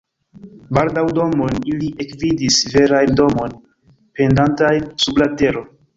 Baldaŭ domojn ili ekvidis, verajn domojn pendantajn sub la tero.